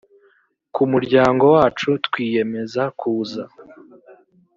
ku muryango wacu twiyemeza kuza